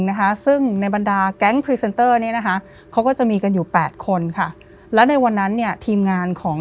เชอรี่เป็นเพราะรายการของธนาคารแห่งหนึ่ง